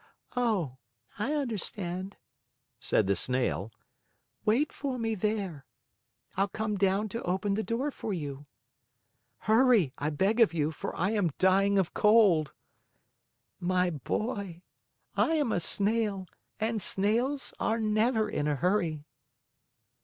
"Oh, I understand," said the Snail. "Wait for me there. I'll come down to open the door for you." "Hurry, I beg of you, for I am dying of cold." "My boy, I am a snail and snails are never in a hurry."